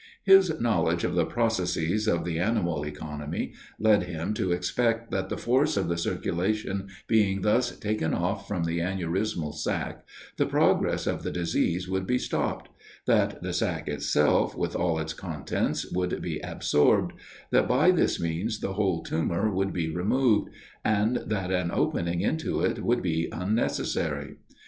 His knowledge of the processes of the animal economy, led him to expect that the force of the circulation being thus taken off from the aneurismal sac, the progress of the disease would be stopped; that the sac itself, with all its contents, would be absorbed; that by this means the whole tumor would be removed, and that an opening into it would be unnecessary.